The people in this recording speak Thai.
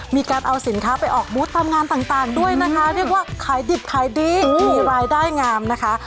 มีการเอาสินค้าไปออกบูธตามงานต่างด้วยนะคะเรียกว่าขายดิบขายดีมีรายได้งามนะคะ